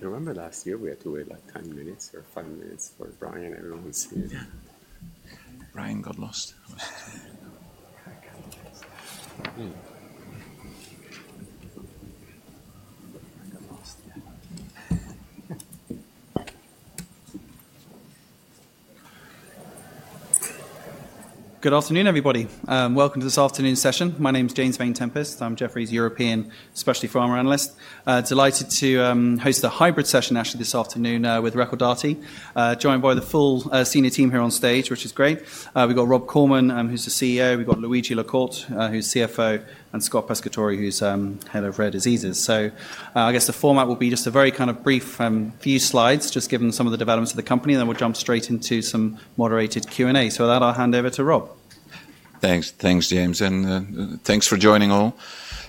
You remember last year we had to wait like 10 minutes or 5 minutes for Brian and everyone was here? Yeah. Brian got lost. I can't do this. Brian got lost, yeah. Good afternoon, everybody. Welcome to this afternoon's session. My name's James Wayne Tempest. I'm Jefferies' European Specialty Pharma analyst. Delighted to host a hybrid session, actually, this afternoon with Recordati, joined by the full senior team here on stage, which is great. We've got Rob Koremans, who's the CEO. We've got Luigi La Corte, who's CFO, and Scott Pescatore, who's Head of Rare Diseases. I guess the format will be just a very kind of brief few slides, just given some of the developments of the company, and then we'll jump straight into some moderated Q&A. With that, I'll hand over to Rob. Thanks. Thanks, James. And thanks for joining all.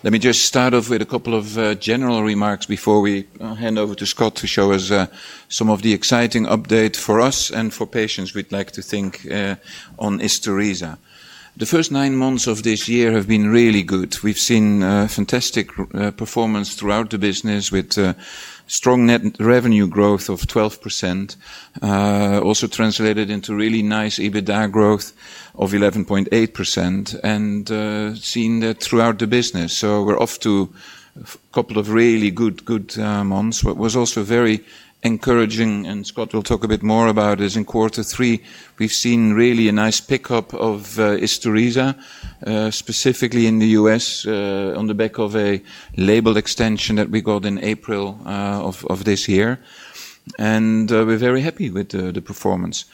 Let me just start off with a couple of general remarks before we hand over to Scott to show us some of the exciting update for us and for patients we'd like to think on Esteresa. The first nine months of this year have been really good. We've seen fantastic performance throughout the business with strong revenue growth of 12%, also translated into really nice EBITDA growth of 11.8%, and seen that throughout the business. We're off to a couple of really good months. What was also very encouraging, and Scott will talk a bit more about, is in Quarter Three, we've seen really a nice pickup of Esteresa, specifically in the US, on the back of a label extension that we got in April of this year. We're very happy with the performance.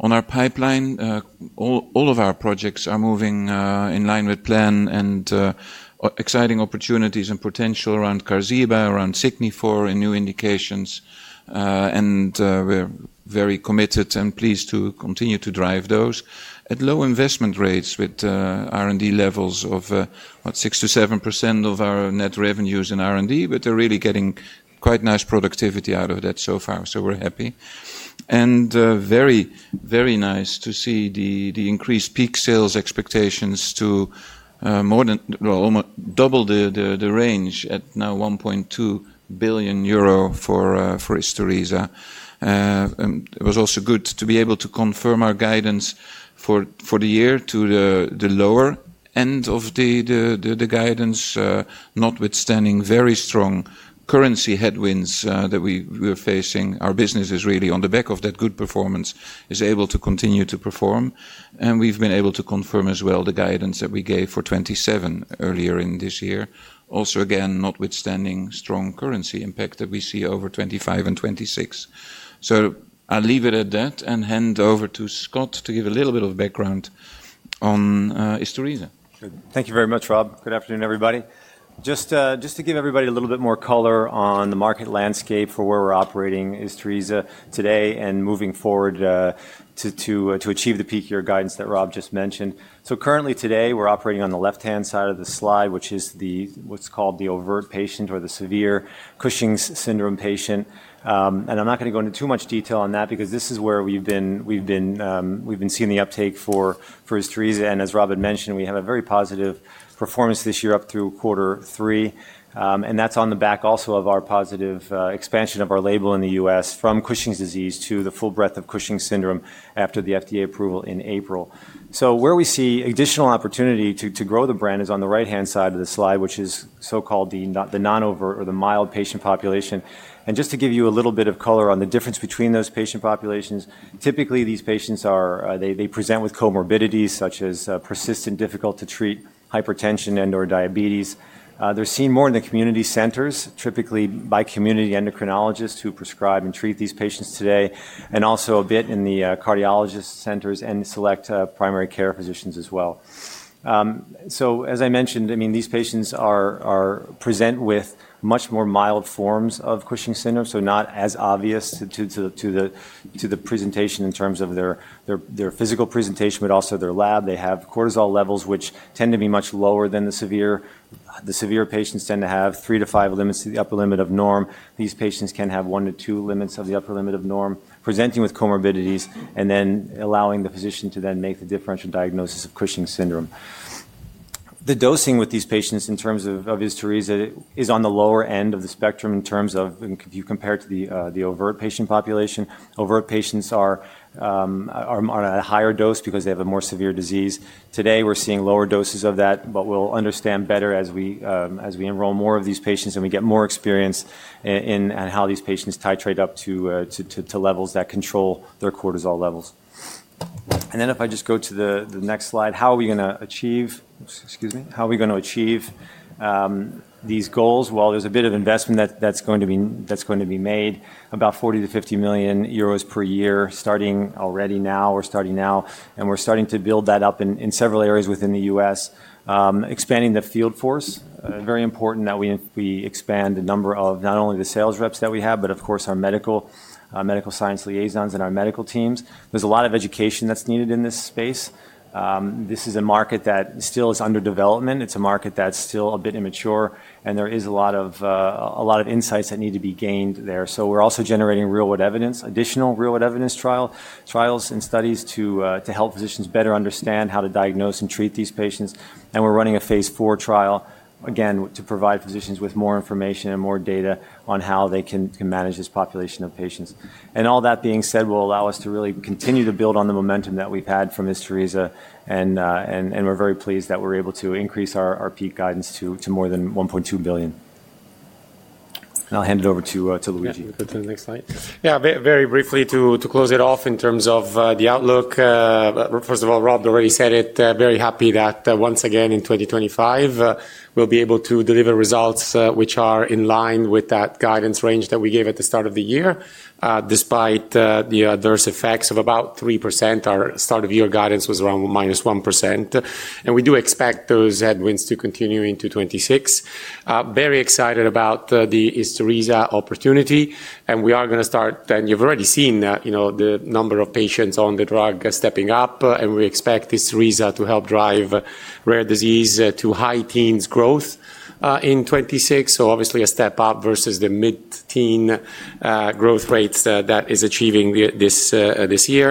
On our pipeline, all of our projects are moving in line with plan, and exciting opportunities and potential around Karziba, around Signifor, and new indications. We are very committed and pleased to continue to drive those at low investment rates with R&D levels of, what, 6%-7% of our net revenues in R&D, but they are really getting quite nice productivity out of that so far. We are happy. Very, very nice to see the increased peak sales expectations to more than double the range at now 1.2 billion euro for Isturisa. It was also good to be able to confirm our guidance for the year to the lower end of the guidance, notwithstanding very strong currency headwinds that we were facing. Our business is really, on the back of that good performance, able to continue to perform. We have been able to confirm as well the guidance that we gave for 2027 earlier in this year, also again, notwithstanding strong currency impact that we see over 2025 and 2026. I will leave it at that and hand over to Scott to give a little bit of background on Isturisa. Thank you very much, Rob. Good afternoon, everybody. Just to give everybody a little bit more color on the market landscape for where we're operating Esteresa today and moving forward to achieve the peak year guidance that Rob just mentioned. Currently today, we're operating on the left-hand side of the slide, which is what's called the overt patient or the severe Cushing's syndrome patient. I'm not going to go into too much detail on that because this is where we've been seeing the uptake for Esteresa. As Rob had mentioned, we have a very positive performance this year up through Quarter Three. That's on the back also of our positive expansion of our label in the US from Cushing's disease to the full breadth of Cushing's syndrome after the FDA approval in April. Where we see additional opportunity to grow the brand is on the right-hand side of the slide, which is so-called the non-over or the mild patient population. Just to give you a little bit of color on the difference between those patient populations, typically these patients are they present with comorbidities such as persistent, difficult-to-treat hypertension and/or diabetes. They are seen more in the community centers, typically by community endocrinologists who prescribe and treat these patients today, and also a bit in the cardiologist centers and select primary care physicians as well. As I mentioned, I mean, these patients present with much more mild forms of Cushing's syndrome, not as obvious to the presentation in terms of their physical presentation, but also their lab. They have cortisol levels, which tend to be much lower than the severe. The severe patients tend to have three to five limits, the upper limit of norm. These patients can have one to two limits of the upper limit of norm, presenting with comorbidities, and then allowing the physician to then make the differential diagnosis of Cushing's syndrome. The dosing with these patients in terms of Esteresa is on the lower end of the spectrum in terms of if you compare it to the overt patient population. Overt patients are on a higher dose because they have a more severe disease. Today, we're seeing lower doses of that, but we'll understand better as we enroll more of these patients and we get more experience in how these patients titrate up to levels that control their cortisol levels. If I just go to the next slide, how are we going to achieve, excuse me, how are we going to achieve these goals? There is a bit of investment that's going to be made, about 40 million-50 million euros per year, starting already now or starting now. We're starting to build that up in several areas within the U.S., expanding the field force. It is very important that we expand the number of not only the sales reps that we have, but of course our medical science liaisons and our medical teams. There is a lot of education that's needed in this space. This is a market that still is under development. It is a market that's still a bit immature, and there is a lot of insights that need to be gained there. We're also generating real-world evidence, additional real-world evidence trials and studies to help physicians better understand how to diagnose and treat these patients. We're running a phase four trial, again, to provide physicians with more information and more data on how they can manage this population of patients. All that being said will allow us to really continue to build on the momentum that we've had from Isturisa. We're very pleased that we're able to increase our peak guidance to more than 1.2 billion. I'll hand it over to Luigi. To the next slide. Yeah, very briefly to close it off in terms of the outlook. First of all, Rob already said it, very happy that once again in 2025, we'll be able to deliver results which are in line with that guidance range that we gave at the start of the year. Despite the adverse effects of about 3%, our start of year guidance was around minus 1%. We do expect those headwinds to continue into 2026. Very excited about the Esteresa opportunity. We are going to start, and you've already seen the number of patients on the drug stepping up, and we expect Esteresa to help drive rare disease to high teens growth in 2026. Obviously a step up versus the mid-teen growth rates that is achieving this year.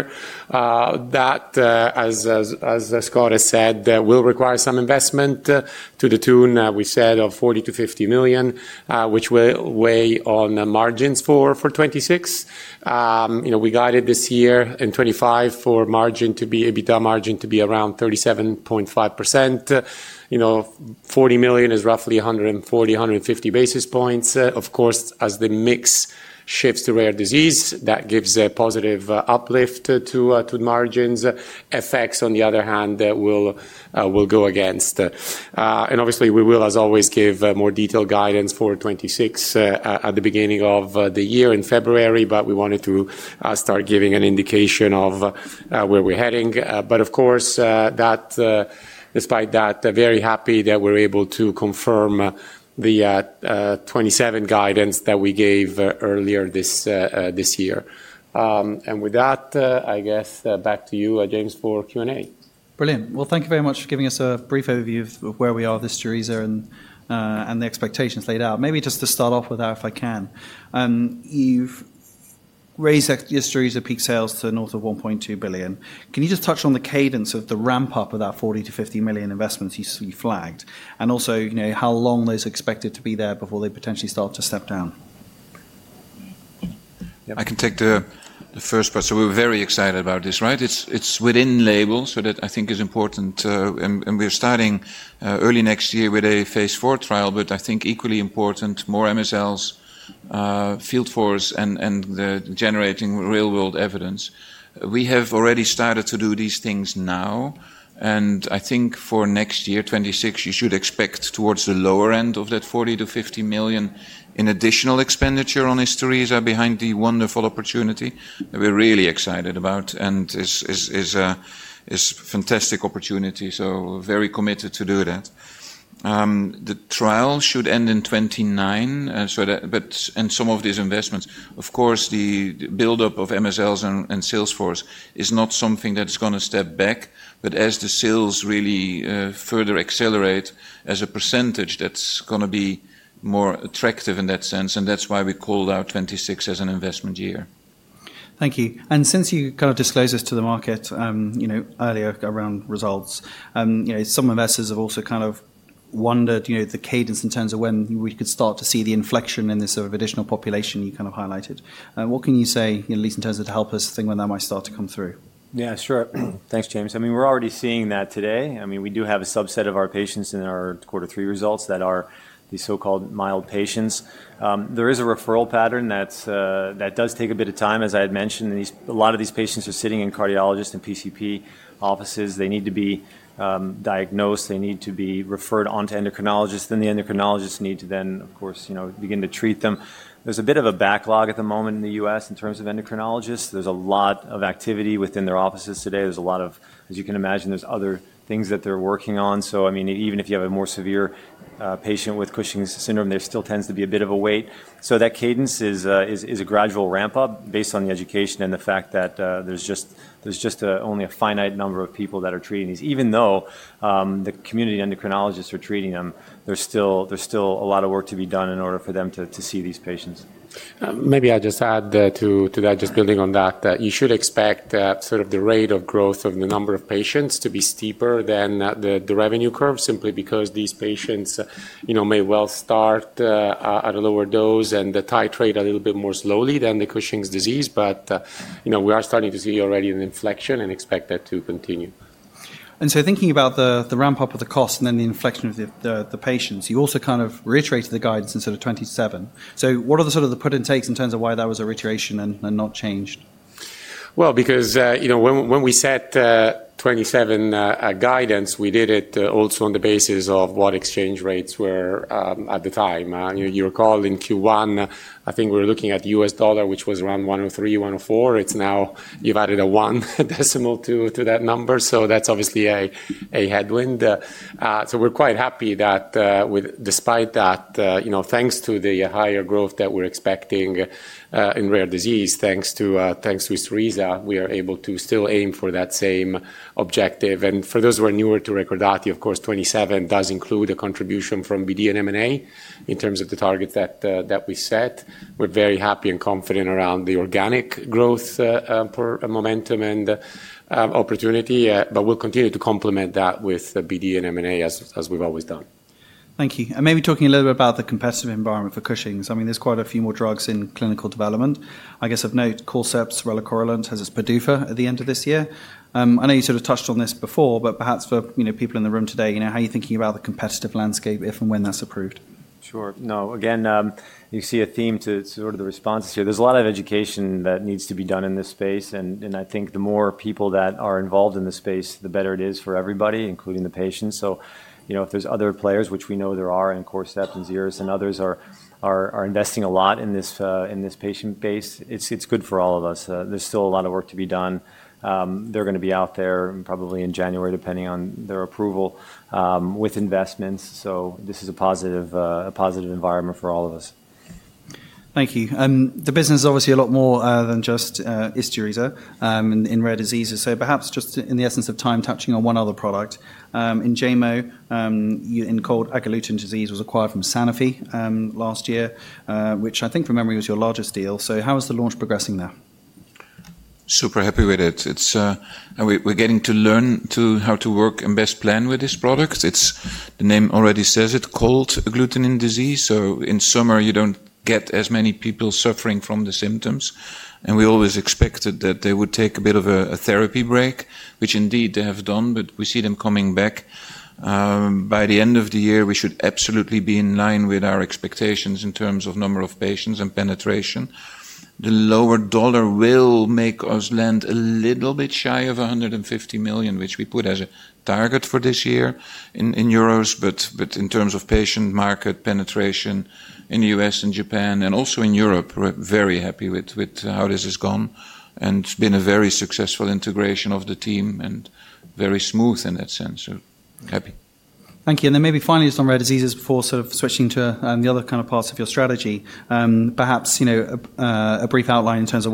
That, as Scott has said, will require some investment to the tune we said of 40 million-50 million, which will weigh on margins for 2026. We guided this year in 2025 for margin to be EBITDA margin to be around 37.5%. 40 million is roughly 140-150 basis points. Of course, as the mix shifts to rare disease, that gives a positive uplift to margins. Effects, on the other hand, will go against. Obviously, we will, as always, give more detailed guidance for 2026 at the beginning of the year in February, but we wanted to start giving an indication of where we're heading. Of course, despite that, very happy that we're able to confirm the 2027 guidance that we gave earlier this year. With that, I guess back to you, James, for Q&A. Brilliant. Thank you very much for giving us a brief overview of where we are, Esteresa, and the expectations laid out. Maybe just to start off with that, if I can. You have raised Esteresa peak sales to north of 1.2 billion. Can you just touch on the cadence of the ramp-up of that 40-50 million investments you flagged, and also how long those are expected to be there before they potentially start to step down? I can take the first part. We are very excited about this, right? It is within label, so that I think is important. We are starting early next year with a phase four trial. I think equally important, more MSLs, field force, and generating real-world evidence. We have already started to do these things now. I think for next year, 2026, you should expect towards the lower end of that €40 million-€50 million in additional expenditure on Esteresa behind the wonderful opportunity that we are really excited about and is a fantastic opportunity. We are very committed to do that. The trial should end in 2029, and some of these investments. Of course, the buildup of MSLs and sales force is not something that is going to step back, but as the sales really further accelerate, as a percentage, that is going to be more attractive in that sense. That is why we called out 2026 as an investment year. Thank you. Since you kind of disclosed this to the market earlier around results, some investors have also kind of wondered the cadence in terms of when we could start to see the inflection in this sort of additional population you kind of highlighted. What can you say, at least in terms of to help us think when that might start to come through? Yeah, sure. Thanks, James. I mean, we're already seeing that today. I mean, we do have a subset of our patients in our Quarter Three results that are the so-called mild patients. There is a referral pattern that does take a bit of time, as I had mentioned. A lot of these patients are sitting in cardiologist and PCP offices. They need to be diagnosed. They need to be referred on to endocrinologists. Then the endocrinologists need to then, of course, begin to treat them. There's a bit of a backlog at the moment in the U.S. in terms of endocrinologists. There's a lot of activity within their offices today. There's a lot of, as you can imagine, there's other things that they're working on. I mean, even if you have a more severe patient with Cushing's syndrome, there still tends to be a bit of a wait. That cadence is a gradual ramp-up based on the education and the fact that there's just only a finite number of people that are treating these. Even though the community endocrinologists are treating them, there's still a lot of work to be done in order for them to see these patients. Maybe I'll just add to that, just building on that, that you should expect sort of the rate of growth of the number of patients to be steeper than the revenue curve, simply because these patients may well start at a lower dose and titrate a little bit more slowly than the Cushing's disease. We are starting to see already an inflection and expect that to continue. Thinking about the ramp-up of the cost and then the inflection of the patients, you also kind of reiterated the guidance in 2027. What are the sort of the put and takes in terms of why that was a reiteration and not changed? Because when we set 2027 guidance, we did it also on the basis of what exchange rates were at the time. You recall in Q1, I think we were looking at the US dollar, which was around 1.03, 1.04. It is now, you have added a one decimal to that number. That is obviously a headwind. We are quite happy that despite that, thanks to the higher growth that we are expecting in rare disease, thanks to Esteresa, we are able to still aim for that same objective. For those who are newer to Recordati, of course, 2027 does include a contribution from BD and M&A in terms of the target that we set. We are very happy and confident around the organic growth momentum and opportunity, but we will continue to complement that with BD and M&A as we have always done. Thank you. Maybe talking a little bit about the competitive environment for Cushing's. I mean, there's quite a few more drugs in clinical development. I guess of note, Corcept, Relacorilant, has its PDUFA at the end of this year. I know you sort of touched on this before, but perhaps for people in the room today, how are you thinking about the competitive landscape if and when that's approved? Sure. No, again, you see a theme to sort of the responses here. There is a lot of education that needs to be done in this space. I think the more people that are involved in this space, the better it is for everybody, including the patients. If there are other players, which we know there are in Corcept and ZERUS and others are investing a lot in this patient base, it is good for all of us. There is still a lot of work to be done. They are going to be out there probably in January, depending on their approval, with investments. This is a positive environment for all of us. Thank you. The business is obviously a lot more than just Isturisa in rare diseases. Perhaps just in the essence of time, touching on one other product. Enjaymo, cold agglutinin disease, was acquired from Sanofi last year, which I think from memory was your largest deal. How is the launch progressing there? Super happy with it. We're getting to learn how to work and best plan with this product. The name already says it, cold agglutinin disease. In summer, you don't get as many people suffering from the symptoms. We always expected that they would take a bit of a therapy break, which indeed they have done, but we see them coming back. By the end of the year, we should absolutely be in line with our expectations in terms of number of patients and penetration. The lower dollar will make us land a little bit shy of 150 million, which we put as a target for this year, but in terms of patient market penetration in the U.S. and Japan and also in Europe, we're very happy with how this has gone. It's been a very successful integration of the team and very smooth in that sense. So happy. Thank you. And then maybe finally just on rare diseases before sort of switching to the other kind of parts of your strategy, perhaps a brief outline in terms of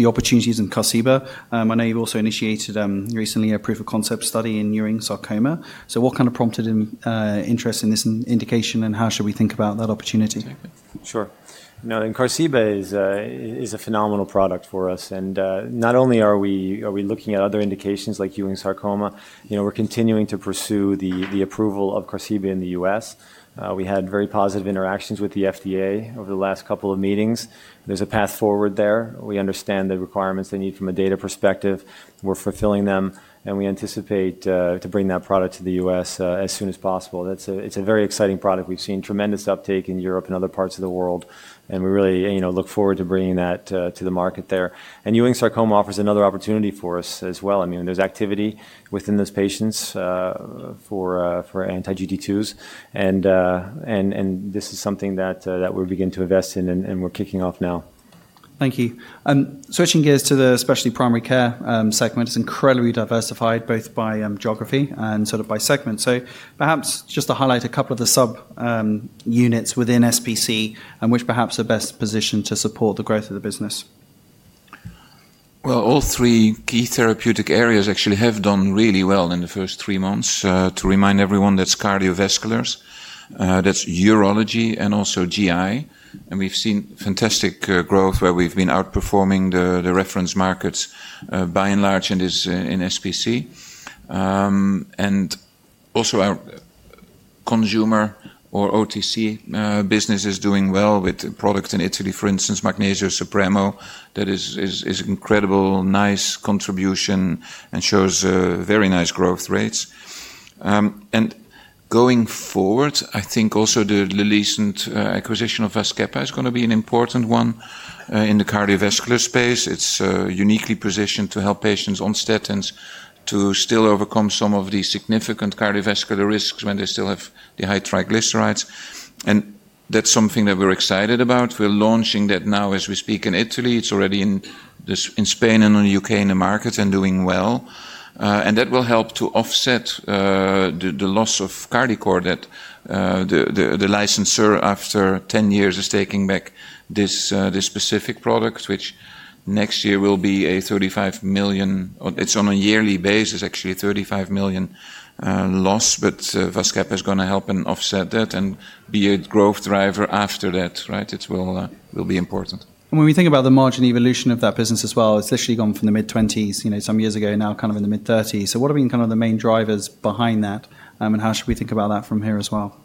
the opportunities in Cardicor. I know you've also initiated recently a proof of concept study in Ewing sarcoma. So what kind of prompted interest in this indication and how should we think about that opportunity? Sure. Enjaymo is a phenomenal product for us. Not only are we looking at other indications like Ewing sarcoma, we are continuing to pursue the approval of Enjaymo in the U.S. We had very positive interactions with the FDA over the last couple of meetings. There is a path forward there. We understand the requirements they need from a data perspective. We are fulfilling them, and we anticipate bringing that product to the U.S. as soon as possible. It is a very exciting product. We have seen tremendous uptake in Europe and other parts of the world. We really look forward to bringing that to the market there. Ewing sarcoma offers another opportunity for us as well. I mean, there is activity within those patients for anti-GD2s. This is something that we are beginning to invest in, and we are kicking off now. Thank you. Switching gears to the specialty primary care segment, it is incredibly diversified both by geography and sort of by segment. Perhaps just to highlight a couple of the sub-units within SPC and which perhaps are best positioned to support the growth of the business. All three key therapeutic areas actually have done really well in the first three months. To remind everyone, that's cardiovasculars, that's urology, and also GI. We've seen fantastic growth where we've been outperforming the reference markets by and large in SPC. Also, our consumer or OTC business is doing well with products in Italy, for instance, Magnesio Supremo. That is an incredible, nice contribution and shows very nice growth rates. Going forward, I think also the recent acquisition of Vascepa is going to be an important one in the cardiovascular space. It's uniquely positioned to help patients on statins to still overcome some of these significant cardiovascular risks when they still have the high triglycerides. That's something that we're excited about. We're launching that now as we speak in Italy. It's already in Spain and in the U.K. in the market and doing well. That will help to offset the loss of Cardicor that the licensor after 10 years is taking back this specific product, which next year will be a 35 million. It is on a yearly basis, actually 35 million loss, but Vascepa is going to help and offset that and be a growth driver after that, right? It will be important. When we think about the margin evolution of that business as well, it's literally gone from the mid-20s some years ago and now kind of in the mid-30s. What have been kind of the main drivers behind that, and how should we think about that from here as well?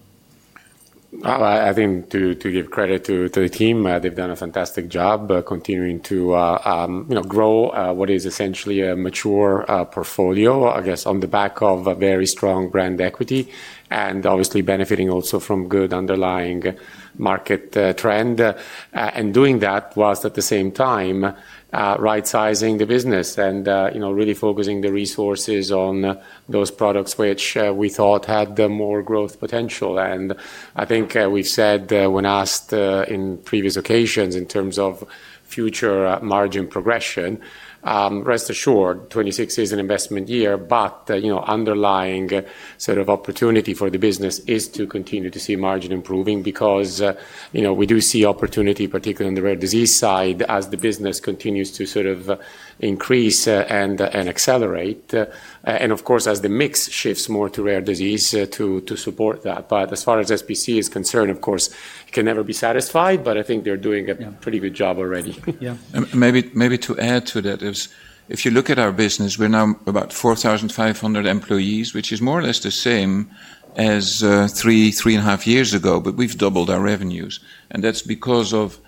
I think to give credit to the team, they've done a fantastic job continuing to grow what is essentially a mature portfolio, I guess, on the back of a very strong brand equity and obviously benefiting also from good underlying market trend. Doing that whilst at the same time right-sizing the business and really focusing the resources on those products which we thought had more growth potential. I think we've said when asked in previous occasions in terms of future margin progression, rest assured, 2026 is an investment year, but underlying sort of opportunity for the business is to continue to see margin improving because we do see opportunity, particularly on the rare disease side, as the business continues to sort of increase and accelerate. Of course, as the mix shifts more to rare disease to support that. As far as SPC is concerned, of course, it can never be satisfied, but I think they're doing a pretty good job already. Maybe to add to that, if you look at our business, we're now about 4,500 employees, which is more or less the same as three, three and a half years ago, but we've doubled our revenues. That's because of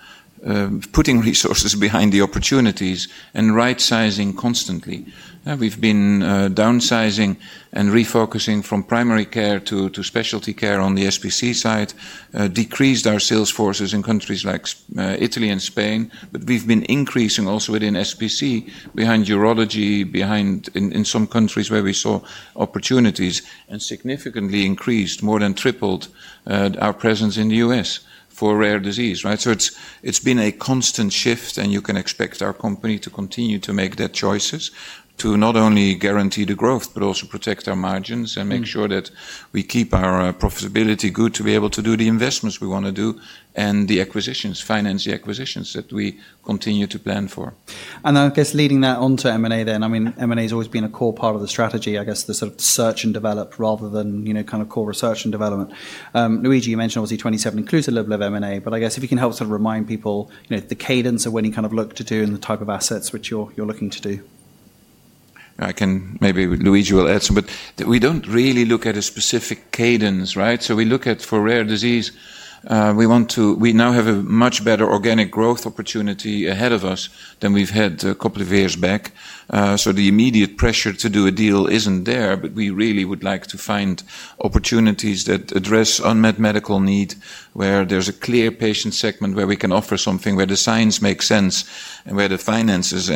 putting resources behind the opportunities and right-sizing constantly. We've been downsizing and refocusing from primary care to specialty care on the SPC side, decreased our sales forces in countries like Italy and Spain, but we've been increasing also within SPC behind urology, behind in some countries where we saw opportunities and significantly increased, more than tripled our presence in the US for rare disease, right? It's been a constant shift, and you can expect our company to continue to make that choices to not only guarantee the growth, but also protect our margins and make sure that we keep our profitability good to be able to do the investments we want to do and the acquisitions, finance the acquisitions that we continue to plan for. I guess leading that on to M&A then, I mean, M&A has always been a core part of the strategy, I guess, the sort of search and develop rather than kind of core research and development. Luigi, you mentioned obviously 2027 includes a little bit of M&A, but I guess if you can help sort of remind people the cadence of when you kind of look to do and the type of assets which you're looking to do. I can maybe Luigi will add some, but we do not really look at a specific cadence, right? We look at for rare disease, we now have a much better organic growth opportunity ahead of us than we have had a couple of years back. The immediate pressure to do a deal is not there, but we really would like to find opportunities that address unmet medical need where there is a clear patient segment where we can offer something where the science makes sense and where the finances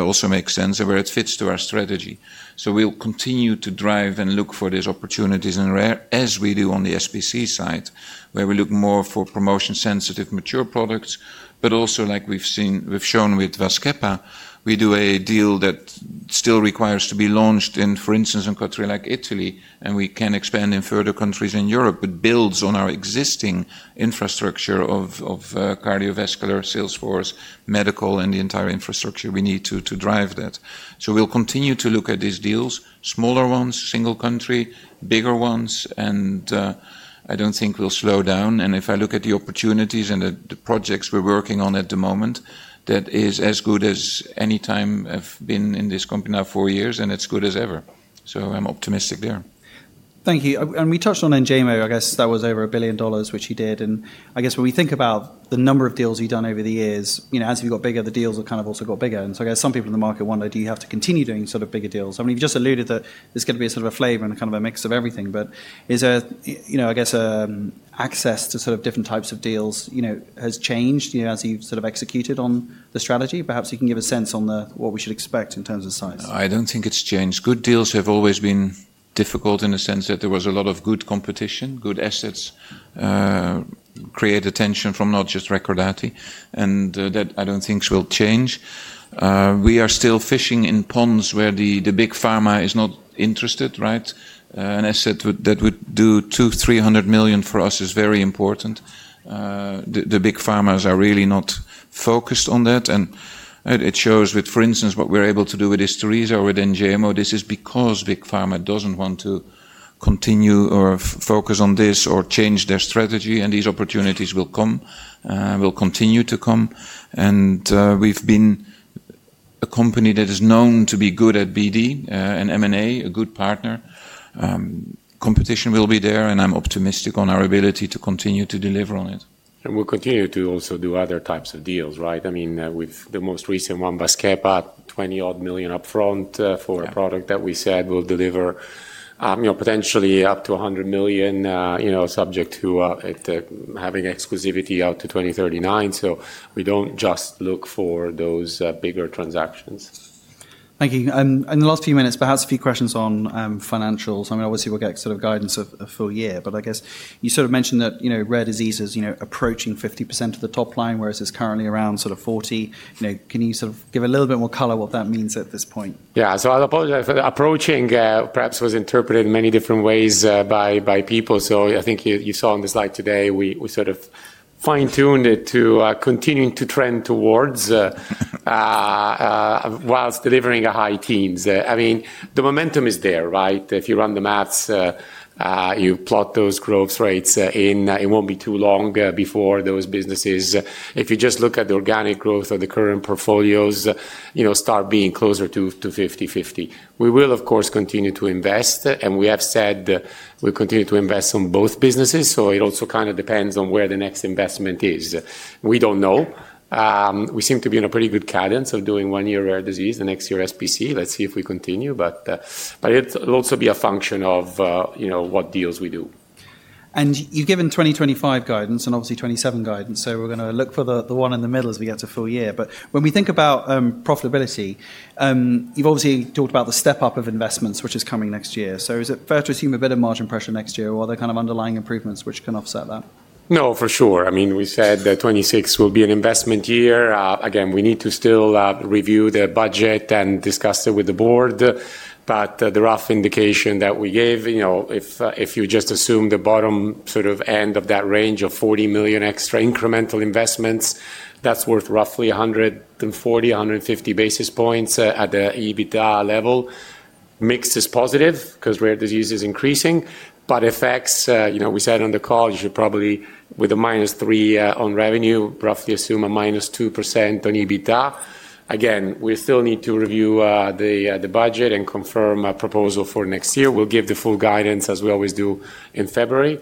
also make sense and where it fits to our strategy. We'll continue to drive and look for these opportunities in rare as we do on the SPC side where we look more for promotion-sensitive mature products, but also like we've shown with Vascepa, we do a deal that still requires to be launched in, for instance, in countries like Italy, and we can expand in further countries in Europe, but builds on our existing infrastructure of cardiovascular, salesforce, medical, and the entire infrastructure we need to drive that. We'll continue to look at these deals, smaller ones, single country, bigger ones, and I don't think we'll slow down. If I look at the opportunities and the projects we're working on at the moment, that is as good as any time I've been in this company now, four years, and it's good as ever. I'm optimistic there. Thank you. We touched on Enjaymo, I guess that was over $1 billion, which he did. I guess when we think about the number of deals he's done over the years, as we've got bigger, the deals have kind of also got bigger. I guess some people in the market wonder, do you have to continue doing sort of bigger deals? I mean, you've just alluded that there's going to be sort of a flavor and kind of a mix of everything, but is there, I guess, access to sort of different types of deals has changed as you've sort of executed on the strategy? Perhaps you can give a sense on what we should expect in terms of size. I don't think it's changed. Good deals have always been difficult in the sense that there was a lot of good competition, good assets create attention from not just Recordati, and that I don't think will change. We are still fishing in ponds where the big pharma is not interested, right? An asset that would do €200 million-€300 million for us is very important. The big pharmas are really not focused on that. It shows with, for instance, what we're able to do with Isturisa or Enjaymo, this is because big pharma doesn't want to continue or focus on this or change their strategy. These opportunities will come, will continue to come. We've been a company that is known to be good at BD and M&A, a good partner. Competition will be there, and I'm optimistic on our ability to continue to deliver on it. We will continue to also do other types of deals, right? I mean, with the most recent one, Vascepa, 20 million-odd upfront for a product that we said will deliver potentially up to 100 million, subject to having exclusivity out to 2039. We do not just look for those bigger transactions. Thank you. In the last few minutes, perhaps a few questions on financials. I mean, obviously, we'll get sort of guidance of full year, but I guess you sort of mentioned that rare disease is approaching 50% of the top line, whereas it's currently around sort of 40%. Can you sort of give a little bit more color what that means at this point? Yeah. I'll apologize. Approaching perhaps was interpreted in many different ways by people. I think you saw on the slide today, we sort of fine-tuned it to continuing to trend towards whilst delivering a high teens. I mean, the momentum is there, right? If you run the maths, you plot those growth rates in, it won't be too long before those businesses, if you just look at the organic growth of the current portfolios, start being closer to 50-50. We will, of course, continue to invest, and we have said we'll continue to invest in both businesses. It also kind of depends on where the next investment is. We don't know. We seem to be in a pretty good cadence of doing one year rare disease, the next year SPC. Let's see if we continue, but it'll also be a function of what deals we do. You've given 2025 guidance and obviously 2027 guidance. We're going to look for the one in the middle as we get to full year. When we think about profitability, you've obviously talked about the step-up of investments, which is coming next year. Is it fair to assume a bit of margin pressure next year or other kind of underlying improvements which can offset that? No, for sure. I mean, we said that 2026 will be an investment year. Again, we need to still review the budget and discuss it with the board. But the rough indication that we gave, if you just assume the bottom sort of end of that range of €40 million extra incremental investments, that's worth roughly 140-150 basis points at the EBITDA level. Mix is positive because rare disease is increasing, but effects, we said on the call, you should probably with a minus 3% on revenue, roughly assume a minus 2% on EBITDA. Again, we still need to review the budget and confirm a proposal for next year. We'll give the full guidance as we always do in February,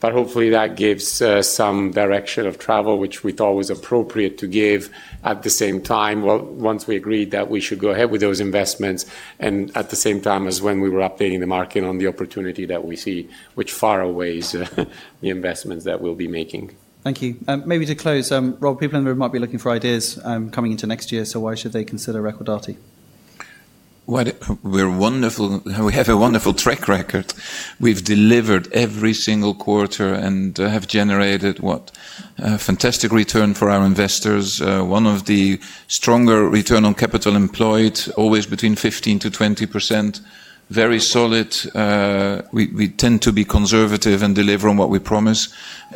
but hopefully that gives some direction of travel, which we thought was appropriate to give at the same time, once we agreed that we should go ahead with those investments and at the same time as when we were updating the market on the opportunity that we see, which far outweighs the investments that we'll be making. Thank you. Maybe to close, Rob, people in the room might be looking for ideas coming into next year, so why should they consider Recordati? We have a wonderful track record. We've delivered every single quarter and have generated what? A fantastic return for our investors. One of the stronger return on capital employed, always between 15%-20%. Very solid. We tend to be conservative and deliver on what we promise.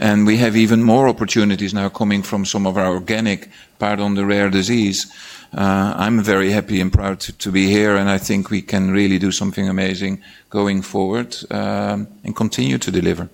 We have even more opportunities now coming from some of our organic part on the rare disease. I'm very happy and proud to be here, and I think we can really do something amazing going forward and continue to deliver.